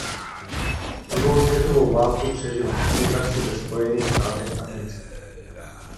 Druhou světovou válku přežil v emigraci ve Spojených státech amerických.